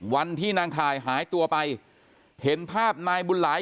วันที่นางข่ายหายตัวไปเห็นภาพนายบุญหลาย